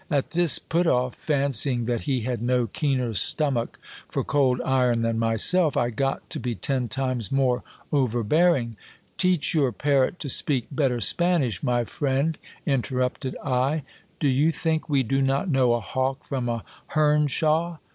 At this put off, fancying 'that he had no keener stomach for cold iron than myself, I got to be ten times more over bearing. Teach your parrot to speak better Spanish, my friend, interrupted I ; do you think we do not know a hawk from a hernshaw ?